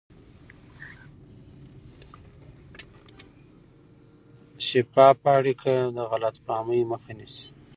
شفافه اړیکه د غلط فهمۍ مخه نیسي.